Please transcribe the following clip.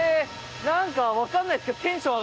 何か分からないですけどええ！？